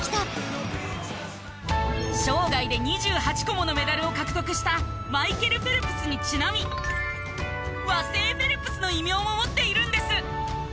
生涯で２８個ものメダルを獲得したマイケル・フェルプスにちなみ和製フェルプスの異名を持っているんです。